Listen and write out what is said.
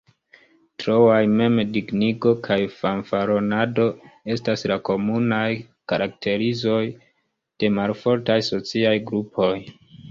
Troaj mem-dignigo kaj fanfaronado estas la komunaj karakterizoj de malfortaj sociaj grupoj.